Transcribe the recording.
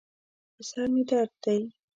په سر مې درد دی